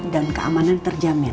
dan keamanan terjamin